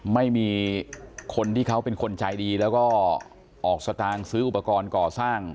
ไม่มีคนที่เขาเป็นคนใจดีแล้วก็ออกสตางค์ซื้ออุปกรณ์ก่อสร้าง